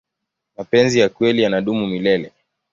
mapenzi ya kweli yanadumu milele